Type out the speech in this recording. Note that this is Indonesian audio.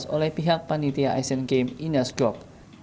oleh pihak panitia asian games ines jock